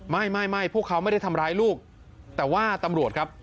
ไม่ไม่พวกเขาไม่ได้ทำร้ายลูกแต่ว่าตำรวจครับ